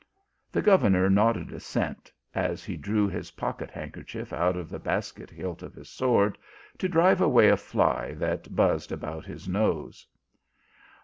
The governor nodded assent, as he drew his pock et handkerchief out of the basket hilt of his sword, to drive away a fly that buzzed about his nose.